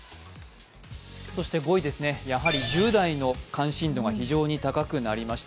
そして５位ですね、やはり１０代の関心度が非常に高くなりました。